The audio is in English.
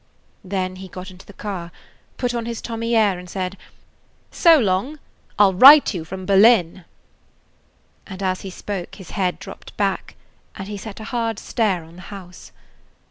Then he got into the car, put on his Tommy air, and said: "So long! I 'll write you from Berlin!" and as he spoke his head dropped back, and he set a hard stare on the house.